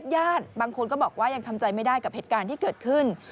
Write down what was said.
ญาติบางคนก็บอกว่ายังทำใจไม่ได้กับเหตุการณ์ที่เกิดขึ้น